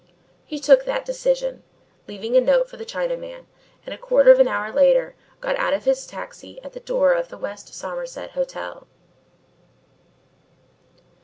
He took that decision, leaving a note for the Chinaman, and a quarter of an hour later got out of his taxi at the door of the West Somerset Hotel.